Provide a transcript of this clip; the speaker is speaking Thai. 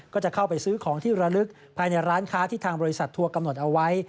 ก็จะเข้าไปซื้อของที่ระลึกภายในร้านค้าที่ทางบริษัททัวร์กำหนดเอาไว้